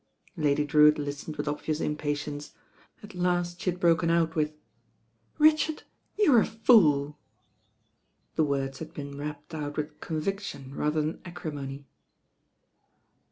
Lady Drewitt listened with obvious impatience. At last she had broken out with: "Richard, you're a fool." The words had ^*ten rapped out with conviction rather than acrimony.